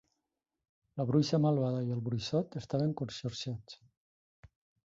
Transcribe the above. La bruixa malvada i el bruixot estaven conxorxats.